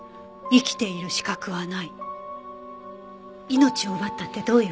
命を奪ったってどういう事？